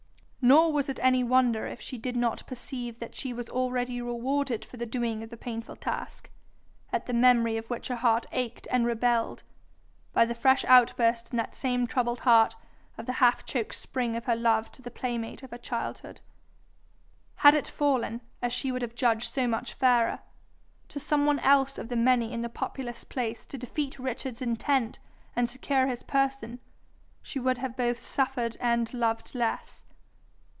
Nor was it any wonder if she did not perceive that she was already rewarded for the doing of the painful task, at the memory of which her heart ached and rebelled, by the fresh outburst in that same troubled heart of the half choked spring of her love to the playmate of her childhood. Had it fallen, as she would have judged so much fairer, to some one else of the many in the populous place to defeat Richard's intent and secure his person, she would have both suffered and loved less.